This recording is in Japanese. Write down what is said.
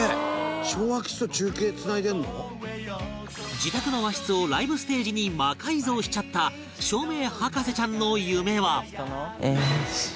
自宅の和室をライブステージに魔改造しちゃった照明博士ちゃんの夢はえっ！？